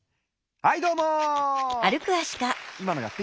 はいどうも。